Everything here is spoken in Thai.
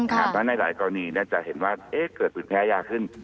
ถ้าในหลายกรณีก็จะเห็นว่าเกิดปืนแพ้ยาขึ้น